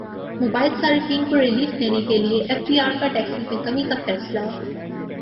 mobile صارفین کو relief دینے کیلئے ایف بی ار کا ٹیکسز میں کمی کا فیصلہ